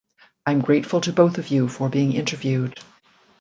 I'm grateful to both of you for being interviewed.